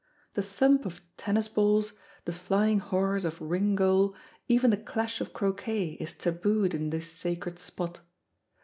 The thump of tennis balls, the flying horrors of ring goal, even the clash of croquet is tabooed in this sacred spot.